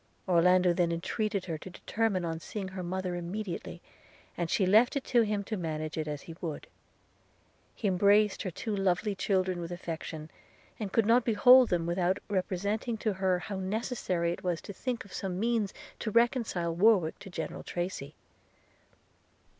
Orlando then entreated her to determine on seeing her mother immediately, and she left it to him to manage it as he would. He embraced her two lovely children with affection, and could not behold them, without representing to her how necessary it was to think of some means to reconcile Warwick to General Tracy.